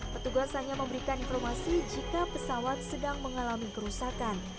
petugas hanya memberikan informasi jika pesawat sedang mengalami kerusakan